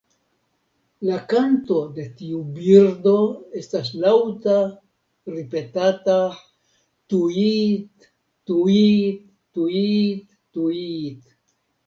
La kanto de tiu birdo estas laŭta ripetata "tŭiit-tŭiit-tŭiit-tŭiit".